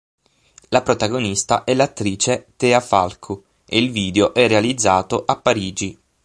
La protagonista è l'attrice Tea Falco e il video è realizzato a Parigi.